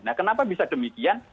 nah kenapa bisa demikian